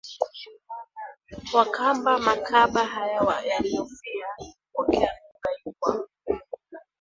Wakamba Makaba haya yaliofia kupokea lugha hii kwa